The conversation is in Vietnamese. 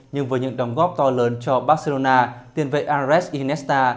nhưng với những đóng góp to lớn cho barcelona tiền vệ ares inesta